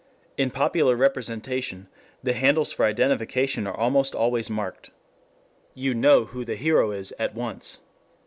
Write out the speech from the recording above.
In popular representation the handles for identification are almost always marked. You know who the hero is at once.